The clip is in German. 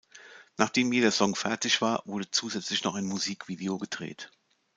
Nachdem jeder Song fertig war, wurde zusätzlich noch ein Musikvideo gedreht.